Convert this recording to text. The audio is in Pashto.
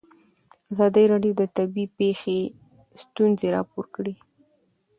ازادي راډیو د طبیعي پېښې ستونزې راپور کړي.